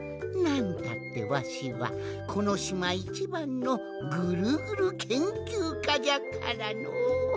なんたってわしはこのしまいちばんの「ぐるぐるけんきゅうか」じゃからのう。